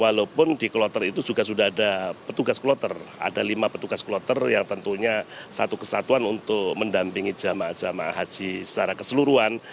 walaupun di kloter itu juga sudah ada petugas kloter ada lima petugas kloter yang tentunya satu kesatuan untuk mendampingi jemaah jemaah haji secara keseluruhan